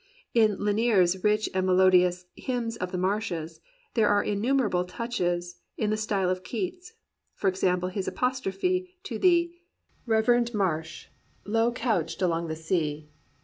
In Lanier's rich and melodious "Hymns of the Marshes" there are innumerable touches in the style of Keats; for example, his apostrophe to the "Reverend marsh, low couched along the sea.